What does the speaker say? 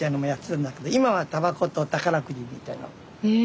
へえ。